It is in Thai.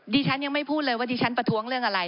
ดิฉันยังไม่พูดเลยว่าดิฉันประท้วงเรื่องอะไร